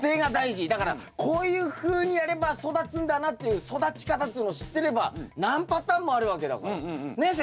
だからこういうふうにやれば育つんだなっていう育ち方っていうのを知ってれば何パターンもあるわけだから。ね？